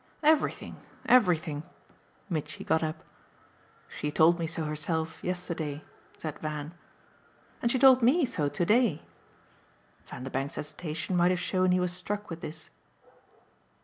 "Everything, everything." Mitchy got up. "She told me so herself yesterday," said Van. "And she told ME so to day." Vanderbank's hesitation might have shown he was struck with this.